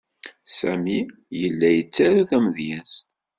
Sami yella yettaru tamedyezt.